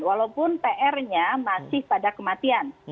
walaupun pr nya masih pada kematian